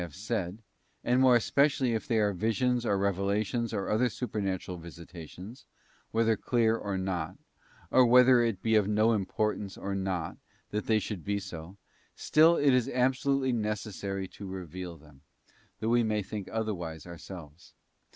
165 have said; and more especially if they are visions or reve lations or other supernatural visitations, whether clear or not, or whether it be of no importance or not that they should be so—still it is absolutely necessary to reveal them, though we may think otherwise ourselves.